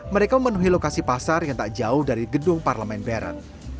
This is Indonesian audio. mereka memenuhi lokasi pasar yang tak jauh dari gedung parlemen bern